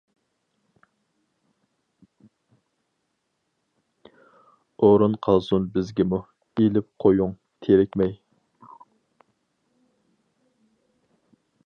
ئورۇن قالسۇن بىزگىمۇ، ئېلىپ قويۇڭ، تېرىكمەي!